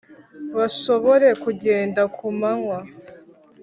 bashobore kugenda ku manywa